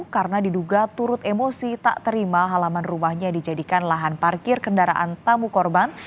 karena diduga turut emosi tak terima halaman rumahnya dijadikan lahan parkir kendaraan tamu korban